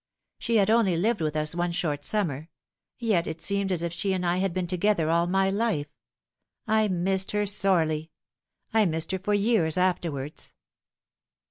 She had only lived with us one short summer. Yet it seemed as if she and I had been together all my life. I missed her sorely. I missed her for years afterwards."